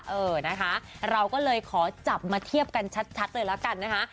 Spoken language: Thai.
เออนะคะเราก็เลยขอจับมาเทียบกันชัดเลยละกันนะคะ